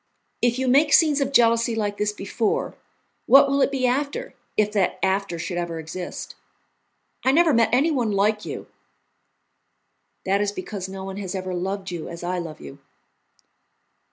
If you make scenes of jealousy like this before, what will it be after, if that after should ever exist? I never met anyone like you." "That is because no one has ever loved you as I love you."